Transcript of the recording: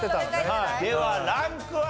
ではランクは？